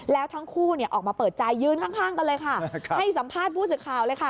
แล้วทั้งคู่เนี่ยออกมาเปิดใจยืนข้างกันเลยค่ะให้สัมภาษณ์ผู้สื่อข่าวเลยค่ะ